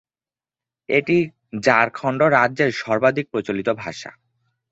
এটি ঝাড়খণ্ড রাজ্যের সর্বাধিক প্রচলিত ভাষা।